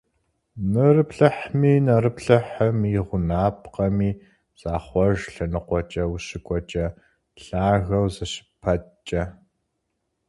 Нэрыплъыхьми, нэрыплъыхьым и гъунапкъэми захъуэж лъэныкъуэкӀэ ущыкӀуэкӀэ, лъагэу зыщыпӀэткӀэ.